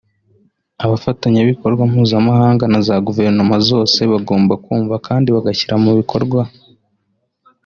abafatanyabikorwa mpuzamahanga na za guverinoma zose bagomba kumva kandi bagashyira mu bikorwa